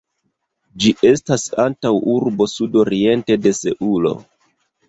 Ĝi estas antaŭurbo sudoriente de Seulo.